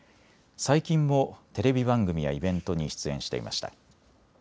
最近もテレビ番組やイベントに出演していました。